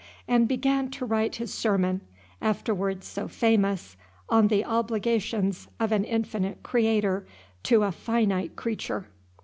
and began to write his sermon, afterwards so famous, "On the Obligations of an Infinite Creator to a Finite Creature."